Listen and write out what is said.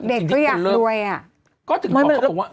เด็กเขาอยากรวย